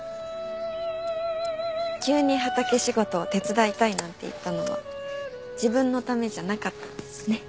急に畑仕事を手伝いたいなんて言ったのは自分のためじゃなかったんですね。